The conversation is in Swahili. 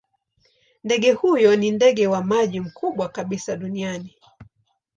Ndege huyo ni ndege wa maji mkubwa kabisa duniani.